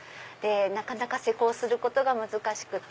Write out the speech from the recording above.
なかなか施工することが難しくて。